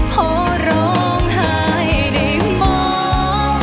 พอร้องหายได้มั้ง